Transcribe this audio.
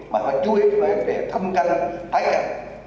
mà phải chui về để thâm canh thái cạp